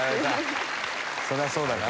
そりゃそうだな。